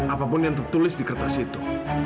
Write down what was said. apapun yang tertulis di kertas itu